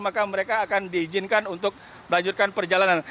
maka mereka akan diizinkan untuk melanjutkan perjalanan